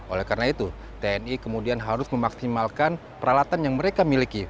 oleh karena itu tni kemudian harus memaksimalkan peralatan yang mereka miliki